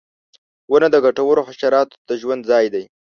• ونه د ګټورو حشراتو د ژوند ځای دی.